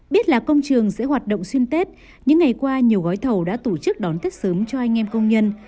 biết là công trường sẽ hoạt động xuyên tết những ngày qua nhiều gói thầu đã tổ chức đón tết sớm cho anh em công nhân